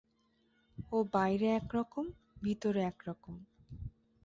ও বাইরে একরকম– ভিতরে একরকম!